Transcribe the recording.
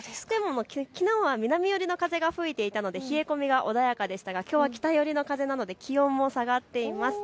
きのうは南寄りの風が吹いていたので冷え込みが穏やかでしたがきょうは北寄りの風なので気温も下がっています。